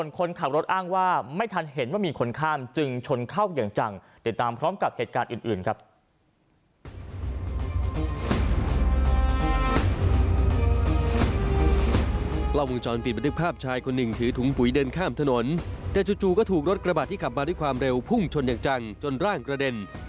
กล้องวงจรปิดบันทึกภาพชายคนหนึ่งถือถุงปุ๋ยเดินข้ามถนนแต่จู่ก็ถูกรถกระบาดที่ขับมาด้วยความเร็วพุ่งชนอย่างจังจนร่างกระเด็น